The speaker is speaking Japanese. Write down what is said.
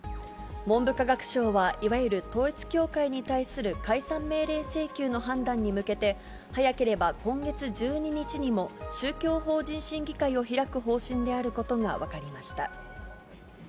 文部科学省は、いわゆる統一教会に対する解散命令請求の判断に向けて、早ければ今月１２日にも、宗教法人審議会を開く方針であることが分かりました。